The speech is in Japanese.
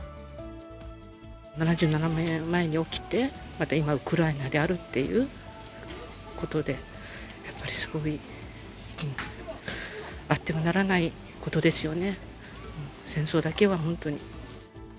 ７７年前に起きて、また今ウクライナであるっていうことで、やっぱりすごい、あってはならないことですよね、戦争だけは本当に。